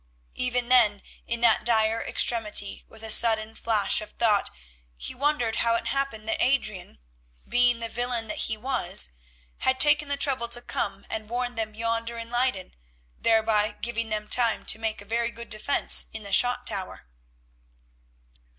Even then, in that dire extremity, with a sudden flash of thought he wondered how it happened that Adrian, being the villain that he was, had taken the trouble to come and warn them yonder in Leyden, thereby giving them time to make a very good defence in the shot tower.